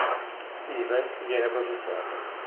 Steven viene processato.